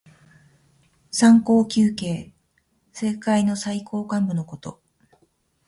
三公九卿。政界の最高幹部のこと。